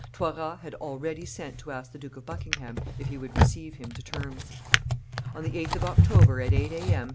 Toiras had already sent to ask the Duke of Buckingham if he would receive him to terms. On the 8th of October, at eight A. M.